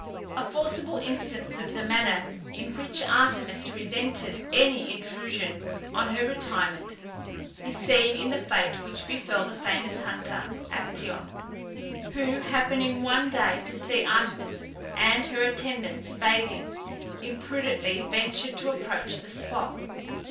A forcible instance of the manner in which Artemis resented any intrusion on her retirement, is seen in the fate which befell the famous hunter Actaeon, who happening one day to see Artemis and her attendants bathing, imprudently ventured to approach the spot.